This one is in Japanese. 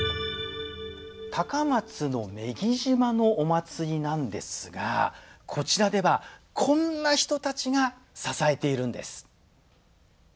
高松の女木島のお祭りなんですがこちらではこんな人たちが支えているんです。